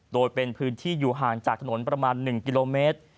โดยเป็นพื้นที่อยู่ห่างจากถนนประมาณ๑กิโลเมตร